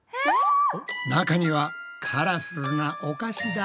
中にはカラフルなお菓子だ。